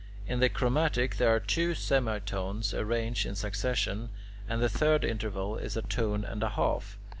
In the chromatic there are two semitones arranged in succession, and the third interval is a tone and a half.